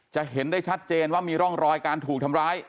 จะเห็นได้ชัดเจนว่ามีร่องรอยการถูกทำร้าย